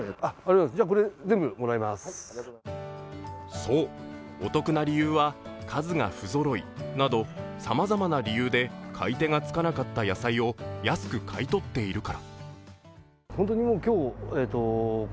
そう、お得な理由は数が不ぞろいなどさまざまな理由で買い手が付かなかった野菜を安く買い取っているから。